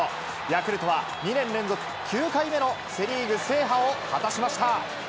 ヤクルトは、２年連続、９回目のセ・リーグ制覇を果たしました。